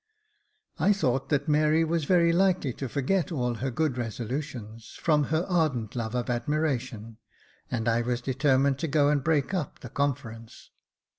I thought that Mary was very likely to forget all her good resolutions, from her ardent love of admiration, and I was determined to go and break up the conference.